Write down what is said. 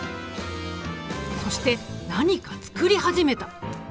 そして何か作り始めた。